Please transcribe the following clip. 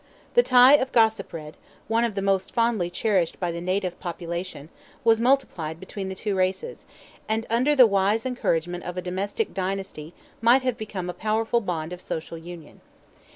The tie of Gossipred, one of the most fondly cherished by the native population, was multiplied between the two races, and under the wise encouragement of a domestic dynasty might have become a powerful bond of social union.